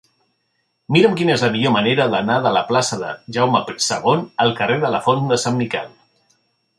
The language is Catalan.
Mira'm quina és la millor manera d'anar de la plaça de Jaume II al carrer de la Font de Sant Miquel.